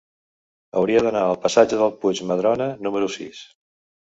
Hauria d'anar al passatge del Puig Madrona número sis.